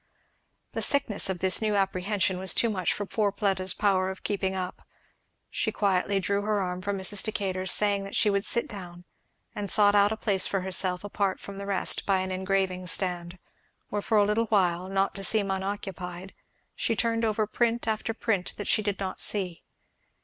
The sickness of this new apprehension was too much for poor Fleda's power of keeping up. She quietly drew her arm from Mrs. Decatur's, saying that she would sit down; and sought out a place for herself apart from the rest by an engraving stand; where for a little while, not to seem unoccupied, she turned over print after print that she did not see.